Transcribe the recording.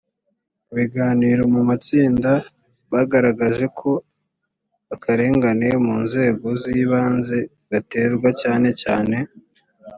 mu biganiro mu matsinda bagaragaje ko akarengane mu nzego z ibanze gaterwa cyane cyane